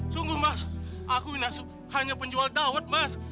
sungguh mas aku hanya penjual dawet mas